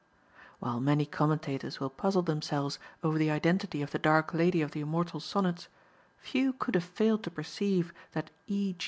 While many commentators will puzzle themselves over the identity of the dark lady of the immortal sonnets, few could have failed to perceive that E.